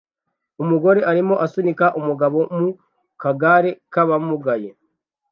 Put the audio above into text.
Umugore arimo asunika umugabo mu kagare k'abamugaye